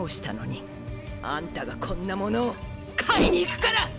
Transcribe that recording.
アンタがこんなものを買いに行くからっ！！